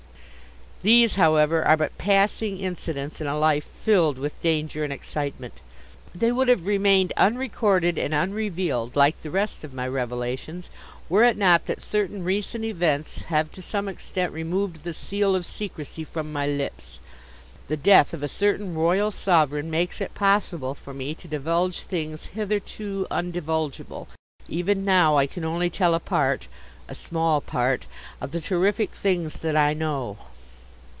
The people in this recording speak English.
These, however, are but passing incidents in a life filled with danger and excitement. They would have remained unrecorded and unrevealed, like the rest of my revelations, were it not that certain recent events have to some extent removed the seal of secrecy from my lips. The death of a certain royal sovereign makes it possible for me to divulge things hitherto undivulgeable. Even now I can only tell a part, a small part, of the terrific things that I know.